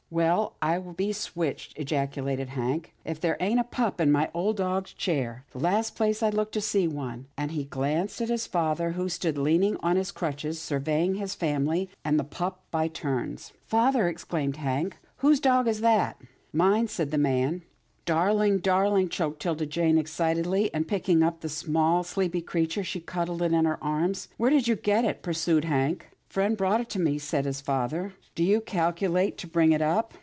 ''Well, I be switched!" ejaculated Hank, ''if there ain't a pup in my old dad's chair — the last place I'd look to see one," and he glanced at his father who stood leaning on his crutches, survey ing his family, and the pup by turns. " Father !" exclaimed Hank, " whose dog is that?" " Mine," said the old man. " Darling, darling," choked 'Tilda Jane excitedly, and, picking up the small, sleepy creature, she cud dled it in her arms. *' Where did you get it? " pursued Hank. " Friend brought it to me," said his father. " Do you calculate to bring it up?